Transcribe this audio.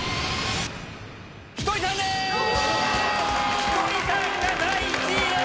ひとりさんが第１位です！